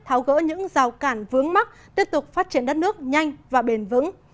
tháo gỡ những rào cản vướng mắt tiếp tục phát triển đất nước nhanh và bền vững